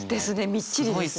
みっちりですね。